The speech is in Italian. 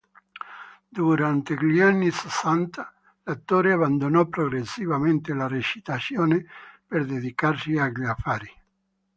Durante gli anni sessanta l'attore abbandonò progressivamente la recitazione per dedicarsi agli affari.